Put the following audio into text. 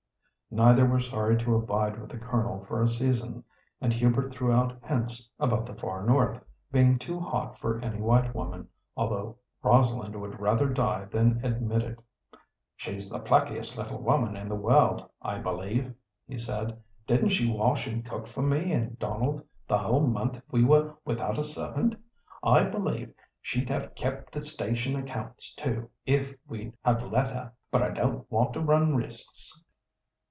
Neither were sorry to abide with the Colonel for a season, and Hubert threw out hints about "the far north" being too hot for any white woman, although Rosalind would rather die than admit it. "She's the pluckiest little woman in the world, I believe," he said. "Didn't she wash and cook for me and Donald the whole month we were without a servant? I believe she'd have kept the station accounts too, if we'd have let her. But I don't want to run risks."